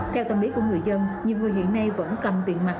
theo tâm lý của người dân nhiều người hiện nay vẫn cầm tiền mặt